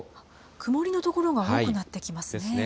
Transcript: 曇りの所が多くなってきますね。